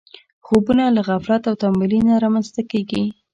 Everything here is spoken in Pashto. خوبونه له غفلت او تنبلي نه رامنځته کېږي.